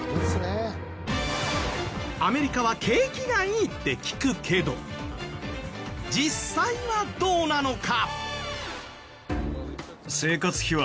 アメリカは景気がいいって聞くけど実際はどうなのか？